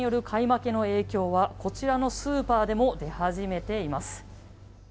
負けの影響はこちらのスーパーでも出始めています。